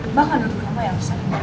mbak gak nuduh sama yelza